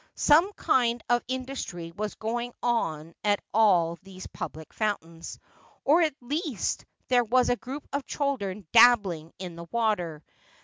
Some kind of industry was going on at all these public fountains ; or at least there was a group of children dabbling in the water.